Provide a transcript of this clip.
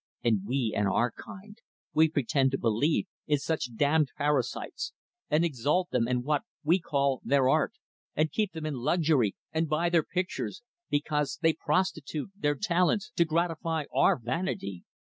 And we and our kind we pretend to believe in such damned parasites, and exalt them and what we call their art, and keep them in luxury, and buy their pictures; because they prostitute their talents to gratify our vanity.